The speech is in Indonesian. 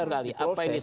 jadi harus diproses